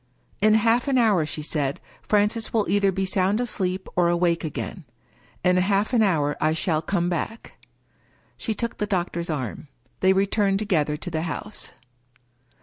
" In half an hour," she said, " Francis will either be sound asleep, or awake again. In half an hour I shall come back." She took the doctor's arm. They re turned together to the house.